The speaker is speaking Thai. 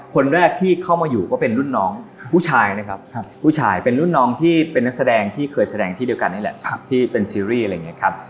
คนแรกที่เข้ามาอยู่ก็เป็นรุ่นน้องผู้ชายนะครับผู้ชายเป็นรุ่นน้องที่เป็นนักแสดงที่เคยแสดงที่เดียวกันนี่แหละที่เป็นซีรีส์อะไรอย่างนี้ครับ